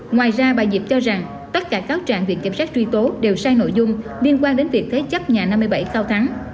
ngoài ra bà diệp cho rằng tất cả cáo trạng viện kiểm sát truy tố đều sai nội dung liên quan đến việc thế chấp nhà năm mươi bảy cao thắng